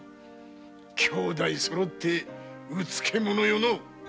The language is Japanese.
兄弟そろってうつけ者よのう。